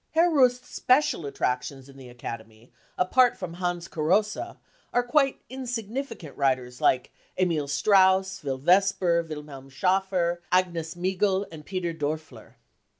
" Herr Rust's special attractions in the Academy, apart from Hans Garossa, are quite insignificant wri ters like Emil .Strauss, Will Vesper, Wilhelm Schafer, Agnes Miegel and Peter Dorfier.